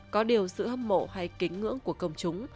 có điều sự hâm mộ hay kính ngưỡng của công chúng